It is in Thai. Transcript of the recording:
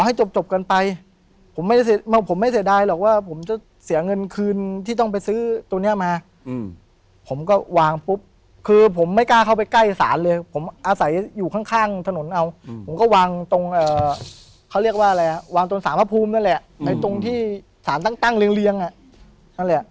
ให้จบจบกันไปผมไม่ได้ผมไม่เสียดายหรอกว่าผมจะเสียเงินคืนที่ต้องไปซื้อตัวเนี้ยมาผมก็วางปุ๊บคือผมไม่กล้าเข้าไปใกล้ศาลเลยผมอาศัยอยู่ข้างข้างถนนเอาผมก็วางตรงเขาเรียกว่าอะไรอ่ะวางตรงสารพระภูมินั่นแหละในตรงที่สารตั้งตั้งเรียงอ่ะนั่นแหละ